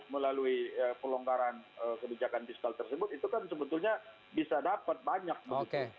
melalui pelonggaran kebijakan fiskal tersebut itu kan sebetulnya bisa dapat banyak begitu